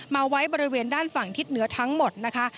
มาไว้บริเวณด้านฝั่งทิศเหนือทั้งหมดนะคะ